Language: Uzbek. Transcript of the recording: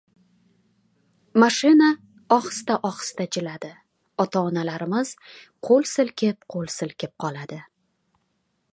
Mashina ohista-ohista jiladi. Ota-onalarimiz qo‘l silkib-qo‘l silkib qoladi.